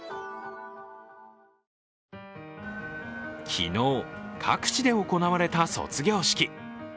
昨日、各地で行われた卒業式。